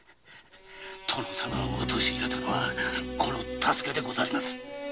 殿様を陥れたのはこの多助でございます。